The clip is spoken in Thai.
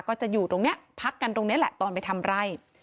ก็จะอยู่ตรงนี้พักกันตรงนี้แหละตอนไปทำไร่